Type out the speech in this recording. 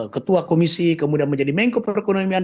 ketua komisi kemudian menjadi mengkoperekonomian